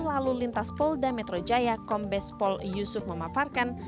lalu lintas polda metro jaya kombes pol yusuf memaparkan